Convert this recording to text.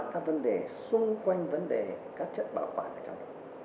và các vấn đề xung quanh vấn đề các chất bảo quản ở trong